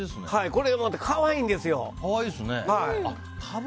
これも可愛いんですよ。